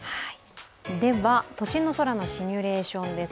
では、都心の空のシミュレーションです。